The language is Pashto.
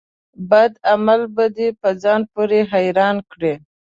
بد عمل به دي په ځان پوري حيران کړي